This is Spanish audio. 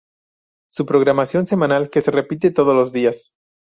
Su programación semanal que se repite todos los días.